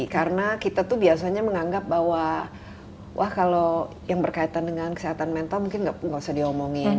karena kita itu biasanya menganggap bahwa wah kalau yang berkaitan dengan kesehatan mental mungkin tidak usah diomongin